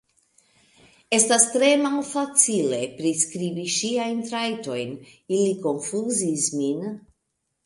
Estas tre malfacile priskribi ŝiajn trajtojn, ili konfuzis min.